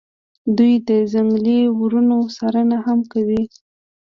دوی د ځنګلي اورونو څارنه هم کوي